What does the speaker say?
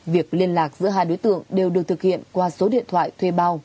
việc liên lạc giữa hai đối tượng đều được thực hiện qua số điện thoại thuê bao